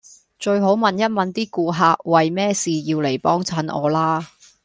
最好問一問啲顧客為咩事要嚟幫襯我啦